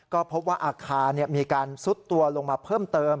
ก็พบว่าอาคารมีการซุดตัวลงมาเพิ่มเติม